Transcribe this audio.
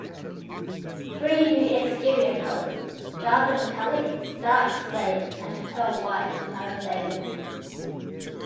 Three new exterior colors, Java Metallic, Dark Slate, and Pearl White are available.